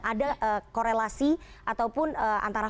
ada korelasi ataupun antara